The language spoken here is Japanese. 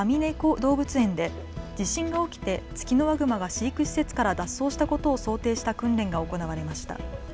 動物園で地震が起きてツキノワグマが飼育施設から脱走したことを想定した訓練が行われました。